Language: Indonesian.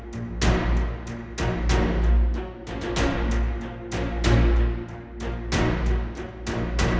pernah gak bisa